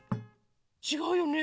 ちがうよね。